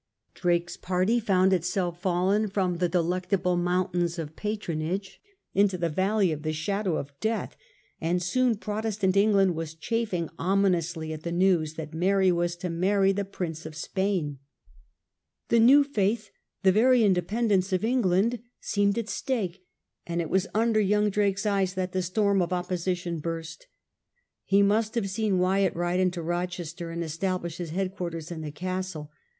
Drake's party found itself fallen from the Delectable Mountains of Patronage into the Valley of the Shadow of Death, and soon Protestant England was chafing omin ously at the news that Mary was to marry with the Prince of Spainr^ The new faith, the very independence ^ of England seemed at stake, and it was under young Drake's eyes« that the storm of opposition burst. He must have seen Wyatt ride into Rochester and establish his headquarters in the castle.